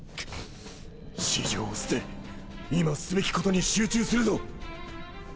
私情を捨て今すべきことに集中するぞ。